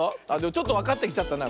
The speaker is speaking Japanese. ちょっとわかってきちゃったな。